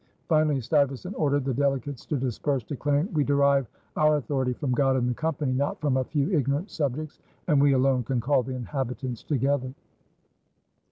Finally Stuyvesant ordered the delegates to disperse, declaring: "We derive our authority from God and the Company, not from a few ignorant subjects, and we alone can call the inhabitants together."